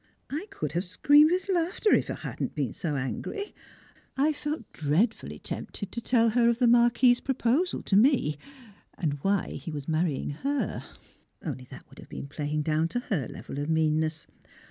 I could have screamed with laughter, if I had not been so angry; I felt dreadfully tempted to tell her of the Marquis's proposal to me, and why he was marrying her only that would have been playing down to her level of meanness.